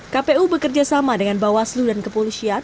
kpu bekerja sama dengan bawaslu dan kepolisian